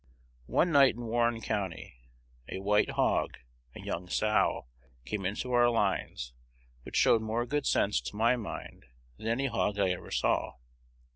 "One night in Warren County, a white hog a young sow came into our lines, which showed more good sense, to my mind, than any hog I ever saw.